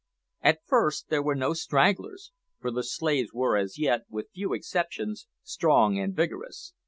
At first there were no stragglers, for the slaves were as yet, with few exceptions, strong and vigorous.